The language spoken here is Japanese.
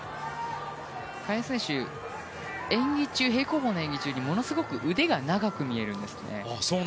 萱選手平行棒の演技中にものすごく腕が長く見えるんです。